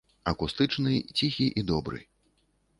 Акустычны, ціхі і добры.